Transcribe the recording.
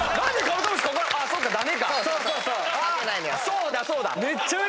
そうだそうだ！